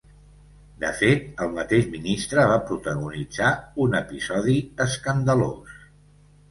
De fet, el mateix ministre va protagonitzar un episodi escandalós.